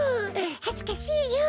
はずかしいよ！